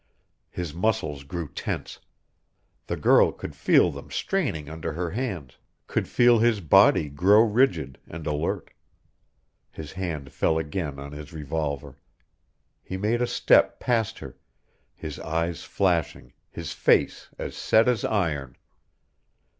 His muscles grew tense. The girl could feel them straining under her hands, could feel his body grow rigid and alert. His hand fell again on his revolver; he made a step past her, his eyes flashing, his face as set as iron.